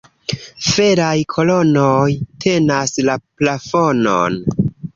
Feraj kolonoj tenas la plafonon.